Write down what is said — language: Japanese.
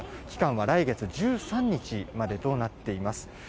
期間は来月１３日までとなっています。